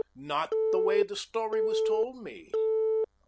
"Not the way the story was told me.